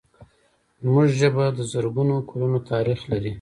زموږ ژبه د زرګونو کلونو تاریخ لري.